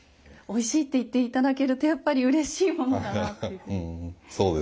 おいしいって言って頂けるとやっぱりうれしいものだなと。